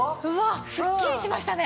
すっきりしましたね！